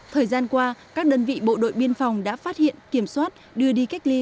thời gian qua các đơn vị bộ đội biên phòng đã phát hiện kiểm soát đưa đi cách ly